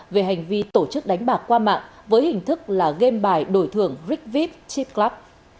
về hành vi tổ chức đánh bạc qua mạng với hình thức là game bài đổi thưởng rigvip chip club